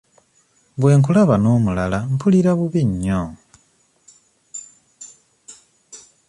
Bwe nkulaba n'omulala mpulira bubi nnyo.